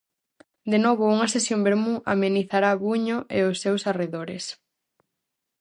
De novo unha sesión vermú amenizará Buño e os seus arredores.